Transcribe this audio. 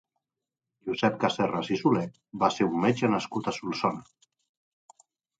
Josep Casserras i Solé va ser un metge nascut a Solsona.